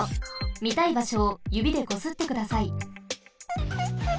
みたいばしょをゆびでこすってください。